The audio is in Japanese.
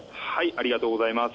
ありがとうございます。